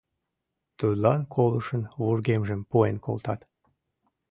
Тудлан колышын вургемжым пуэн колтат.